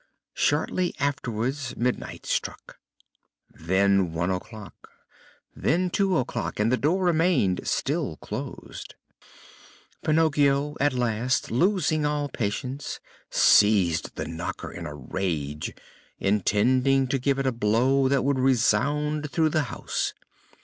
Shortly afterwards midnight struck; then one o'clock, then two o'clock, and the door remained still closed. Pinocchio at last, losing all patience, seized the knocker in a rage, intending to give a blow that would resound through the house.